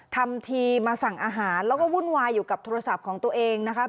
ทำทีมาสั่งอาหารแล้วก็วุ่นวายอยู่กับโทรศัพท์ของตัวเองนะคะ